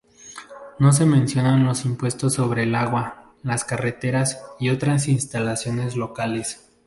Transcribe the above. No se mencionan los impuestos sobre el agua, las carreteras y otras instalaciones locales.